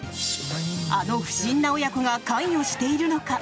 あの不審な親子が関与しているのか？